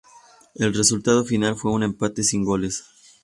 El resultado final fue un empate sin goles.